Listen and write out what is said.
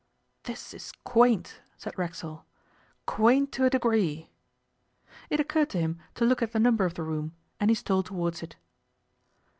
'This is quaint,' said Racksole; 'quaint to a degree!' It occurred to him to look at the number of the room, and he stole towards it.